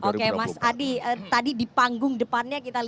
oke mas adi tadi di panggung depannya kita lihat